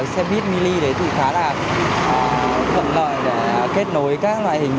xe buýt mini thì khá là vận lợi để kết nối các loại hành khách